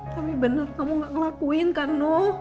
tapi bener kamu gak ngelakuin kan nuh